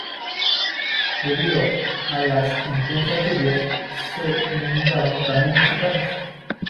Debido a las intensas lluvias, se inundaron caminos y casas.